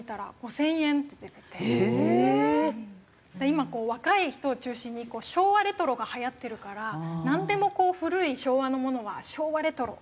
今若い人を中心にこう昭和レトロがはやってるからなんでも古い昭和のものは昭和レトロ